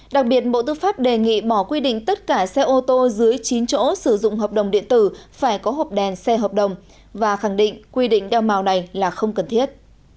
đặc biệt bộ tư pháp đề nghị bỏ quy định tất cả xe ô tô dưới chín chỗ sử dụng hợp đồng điện tử phải có hộp đèn xe hợp đồng và khẳng định quy định đeo màu này là không cần thiết